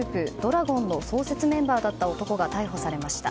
羅権の創設メンバーだった男が逮捕されました。